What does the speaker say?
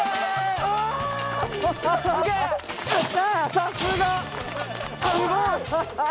さすがすごい！